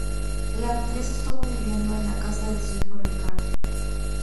La actriz estuvo viviendo en la casa de su hijo Ricardo.